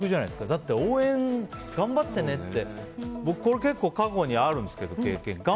だって応援、頑張ってねってこれ結構、過去にあるんですけど経験が。